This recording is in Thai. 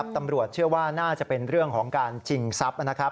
ตำรวจเชื่อว่าน่าจะเป็นเรื่องของการชิงทรัพย์